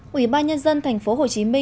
quỹ ba nhân dân tp hcm